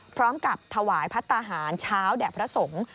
พร้อมกับถวายพัฒนาหารเช้าแด่พระสงฆ์